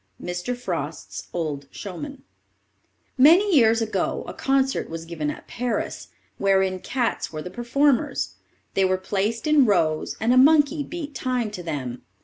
MR. FROST'S Old Showman. "Many years ago a concert was given at Paris, wherein cats were the performers. They were placed in rows, and a monkey beat time to them.